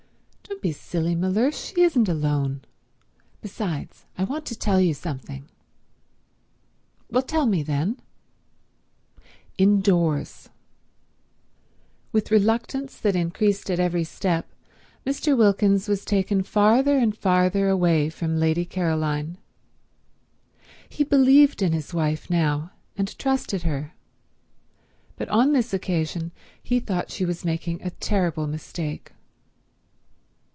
"Don't be silly, Mellersh—she isn't alone. Besides, I want to tell you something." "Well tell me, then." "Indoors." With reluctance that increased at every step Mr. Wilkins was taken farther and farther away from Lady Caroline. He believed in his wife now and trusted her, but on this occasion he thought she was making a terrible mistake.